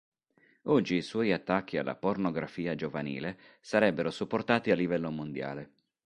Oggi i suoi attacchi alla pornografia giovanile sarebbero supportati a livello mondiale.